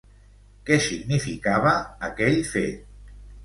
Què significava aquell fet?